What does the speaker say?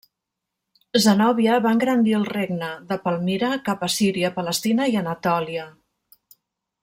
Zenòbia va engrandir el regne de Palmira cap a Síria, Palestina i Anatòlia.